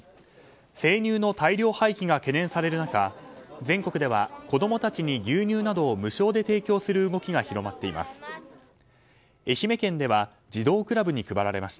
生乳の大量廃棄が懸念される中子供たちに牛乳などを無償で庭球する動きが広まっています。